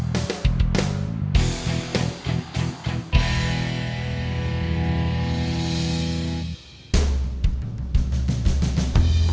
terus terus terus